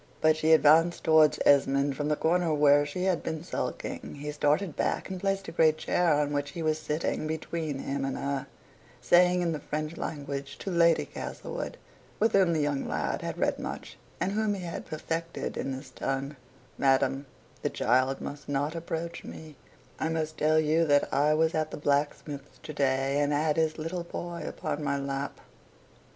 But as she advanced towards Esmond from the corner where she had been sulking, he started back and placed the great chair on which he was sitting between him and her saying in the French language to Lady Castlewood, with whom the young lad had read much, and whom he had perfected in this tongue "Madam, the child must not approach me; I must tell you that I was at the blacksmith's to day, and had his little boy upon my lap."